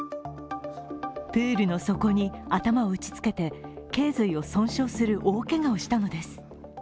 プールの底に頭を打ち付けてけい髄を損傷する大けがをしたのです。